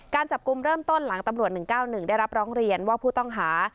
การจับกลุ่มเริ่มต้นหลังตำรวจ๑๙๑ได้รับร้องเรียนว่าผู้ต้องหา